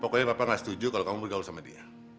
pokoknya bapak gak setuju kalau kamu bergaul sama dia